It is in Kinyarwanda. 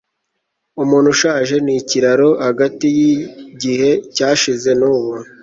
umuntu ushaje ni ikiraro hagati yigihe cyashize nubu